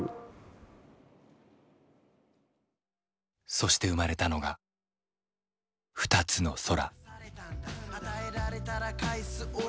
そして生まれたのが「二つの空」。